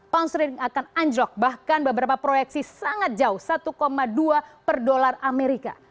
pound straining akan anjlok bahkan beberapa proyeksi sangat jauh satu dua per dolar amerika